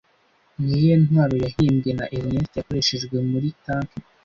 Niyihe ntwaro yahimbwe na Ernest yakoreshejwe muri Tank